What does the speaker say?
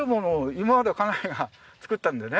今まで家内が作ったんでね